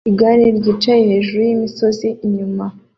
Igare ryicaye hejuru yimisozi inyuma